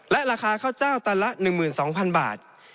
และราคาข้าวเจ้าตันละ๑๒๐๐๐บาท